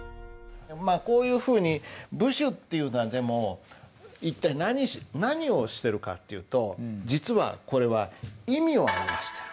こういうふうに部首っていうのはでも一体何をしてるかっていうと実はこれは意味を表してる。